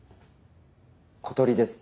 「小鳥」です。